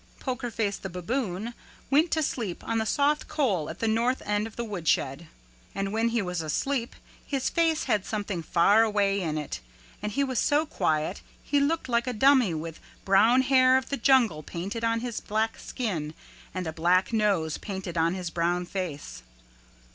Poker Face the Baboon went to sleep on the soft coal at the north end of the woodshed and when he was asleep his face had something faraway in it and he was so quiet he looked like a dummy with brown hair of the jungle painted on his black skin and a black nose painted on his brown face.